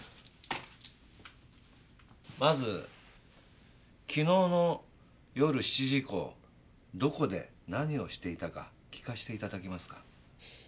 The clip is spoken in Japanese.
まず昨日の夜７時以降どこで何をしていたか聞かせて頂けますか？